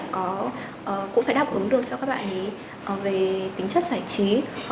thì sách cũng phải đáp ứng được cho các bạn về tính chất giải trí